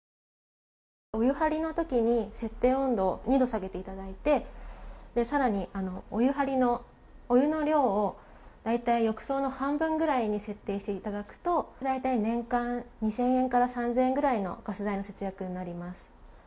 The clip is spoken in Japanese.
お湯張りの時に設定温度を２度下げていただいて更に、お湯張りのお湯の量を大体、浴槽の半分くらいまで設定していただくと年間２０００円から３０００円くらいガス代の節約になります。